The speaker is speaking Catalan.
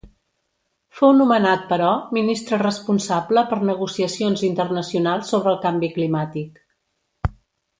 Fou nomenat, però, Ministre Responsable per Negociacions Internacionals sobre el Canvi Climàtic.